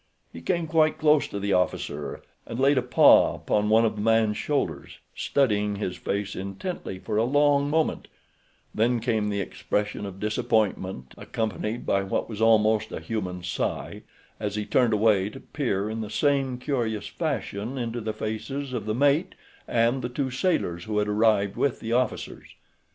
He came quite close to the officer and laid a paw upon one of the man's shoulders, studying his face intently for a long moment, then came the expression of disappointment accompanied by what was almost a human sigh, as he turned away to peer in the same curious fashion into the faces of the mate and the two sailors who had arrived with the officers.